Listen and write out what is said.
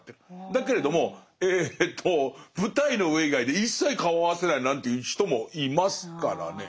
だけれどもえと舞台の上以外で一切顔合わせないなんていう人もいますからね。